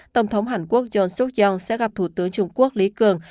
tổng thống hàn quốc yon suk yong sẽ gặp thủ tướng trung quốc lý cường